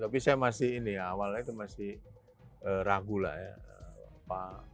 tapi saya masih ini ya awalnya itu masih ragu lah ya